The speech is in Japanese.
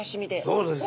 そうです。